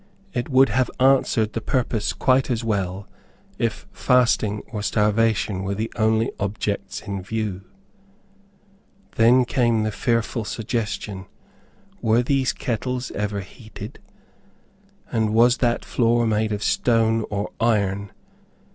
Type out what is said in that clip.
It would have answered the purpose quite as well, if fasting or starvation were the only objects in view. Then came the fearful suggestion, were these kettles ever heated? And was that floor made of stone or iron?